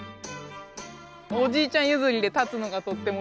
おじいちゃん譲りで立つのがとっても上手なんです。